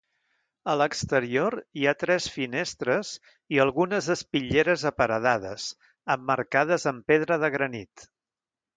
A l'exterior hi ha tres finestres i algunes espitlleres aparedades, emmarcades amb pedra de granit.